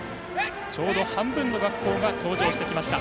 ちょうど半分の学校が登場してきました。